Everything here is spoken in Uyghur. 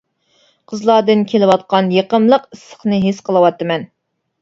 قىزلاردىن كېلىۋاتقان يېقىملىق ئىسسىقنى ھېس قىلىۋاتىمەن.